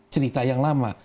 cerita yang lama